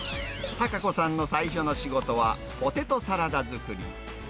孝子さんの最初の仕事は、ポテトサラダ作り。